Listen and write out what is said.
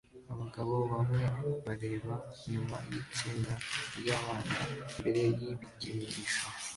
Abagabo bamwe bareba nyuma yitsinda ryabana imbere y Ibikinisho